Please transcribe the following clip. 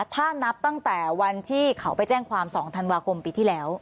ถ้านับตั้งแต่วันที่เขาไปแจ้งความ๒ธันวาคมปีที่แล้ว